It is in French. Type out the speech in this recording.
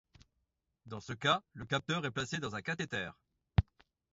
Dans ce cas, le capteur est placé dans un cathéter.